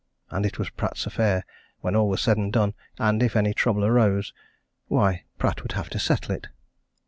And it was Pratt's affair, when all was said and done, and if any trouble arose, why, Pratt would have to settle it.